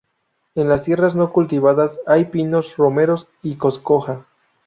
En las tierras no cultivadas hay pinos, romero y coscoja.